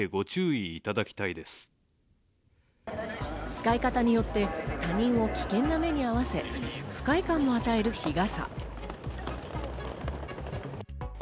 使い方によって他人を危険な目に遭わせ、不快感も与える日傘。